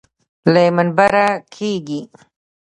له منبره کېږي.